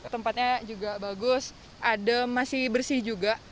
tempatnya juga bagus adem masih bersih juga